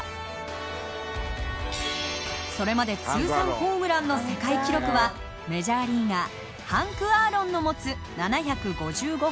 それまで通算ホームランの世界記録はメジャーリーガーハンク・アーロンの持つ７５５本。